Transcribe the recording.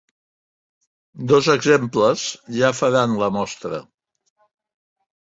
Dos exemples ja faran la mostra.